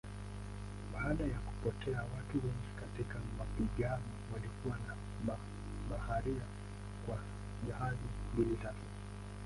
Baada ya kupotea watu wengi katika mapigano walikuwa na mabaharia kwa jahazi mbili tu.